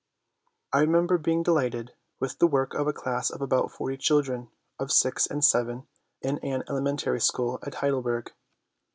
I remember being delighted with the work of a class of about forty children, of six and seven, in an elementary school at Heidelberg.